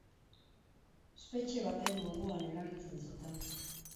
Espetxe baten moduan erabiltzen zuten.